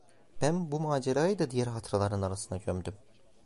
Ben bu macerayı da diğer hatıraların arasına gömdüm.